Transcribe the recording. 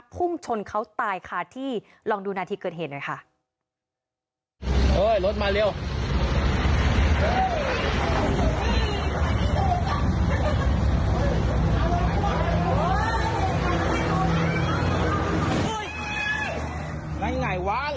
ภูมิชนเขาตายค่ะที่ลองดูหน้าที่เกิดเห็นด้วยค่ะ